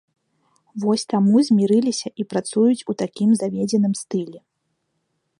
Вось таму змірыліся і працуюць у такім заведзеным стылі.